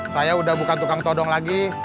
saya udah bukan tukang todong lagi